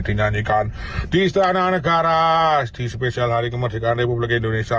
dinyanyikan di istana negara di spesial hari kemerdekaan republik indonesia